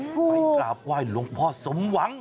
ไปกราบไหว้หลวงพ่อสมหวัง